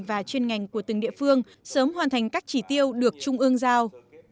và chuyên ngành của từng địa phương sớm hoàn thành các chỉ tiêu được trung ương giao